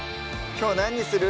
きょう何にする？